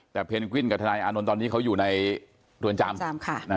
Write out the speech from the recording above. แต่เพนกวินกับทนายอานนท์ตอนนี้เขาอยู่ในเรือนจำ